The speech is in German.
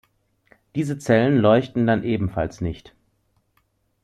Diese Zellen leuchten dann ebenfalls nicht.